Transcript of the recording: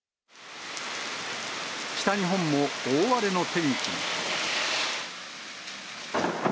北日本も大荒れの天気に。